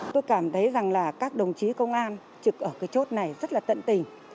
tôi cảm thấy rằng là các đồng chí công an trực ở cái chốt này rất là tận tình